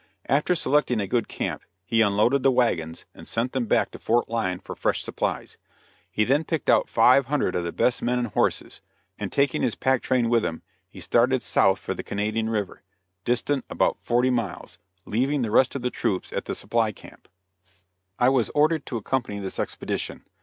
After selecting a good camp, he unloaded the wagons and sent them back to Fort Lyon for fresh supplies. He then picked out five hundred of the best men and horses, and, taking his pack train with him, he started south for the Canadian River, distant about forty miles, leaving the rest of the troops at the supply camp. I was ordered to accompany this expedition.